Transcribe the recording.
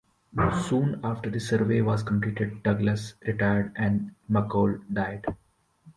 Soon after the survey was completed Douglas retired and McColl died.